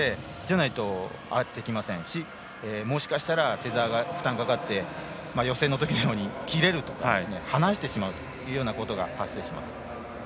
じゃないと、合ってきませんしもしかしたらテザーに負担がかかって予選のときのように切れたり離してしまうことが発生します。